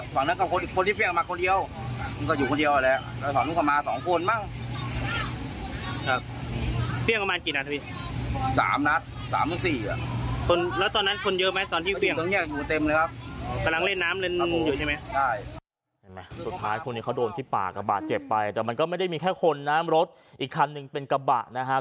สุดท้ายคนนี้เขาโดนที่ปากบาดเจ็บไปแต่มันก็ไม่ได้มีแค่คนนะรถอีกคันหนึ่งเป็นกระบะนะครับ